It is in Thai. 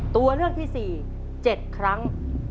ตัวเลือกที่๔๗ครั้ง